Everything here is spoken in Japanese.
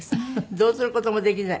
どうする事もできない？